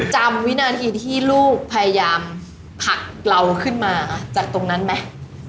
วินาทีที่ลูกพยายามผลักเราขึ้นมาจากตรงนั้นไหม